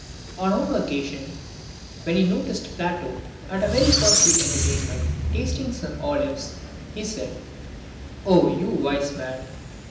On one occasion, when he noticed Plato at a very costly entertainment tasting some olives, he said, " O you wise man